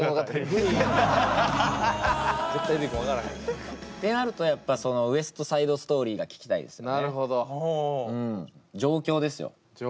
ってなるとやっぱそのウエストサイドストーリーが聞きたいですね。